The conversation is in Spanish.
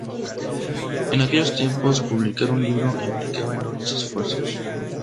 En aquellos tiempos publicar un libro implicaba enormes esfuerzos.